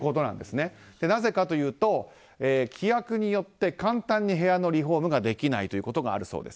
なぜかというと規約によって簡単に部屋のリフォームができないということがあるそうです。